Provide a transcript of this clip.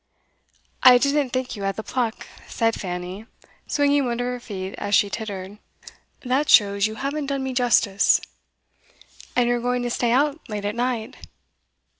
'I didn't think you had the pluck,' said Fanny, swinging one of her feet as she tittered. 'That shows you haven't done me justice.' 'And you're going to stay out late at night?